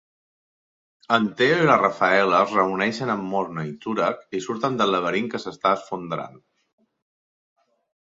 En Theo i la Raphaella es reuneixen amb Morna i Turag i surten del laberint que s"està esfondrant.